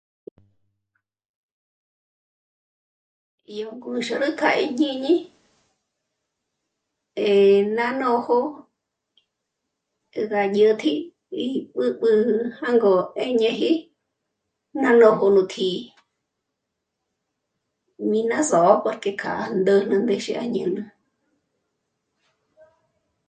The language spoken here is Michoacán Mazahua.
Yó ngǜxôrü k'a íjñíni e... ná nójo gá yät'ji y b'ǚb'ü jângo 'éñeji ná nójo nú tjǐ'i. Mí ná só'o porque k'â'a ndä̀jnä ndéxe à ñü̂nü